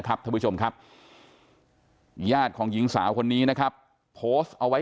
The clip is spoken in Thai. ท่านผู้ชมครับญาติของหญิงสาวคนนี้นะครับโพสต์เอาไว้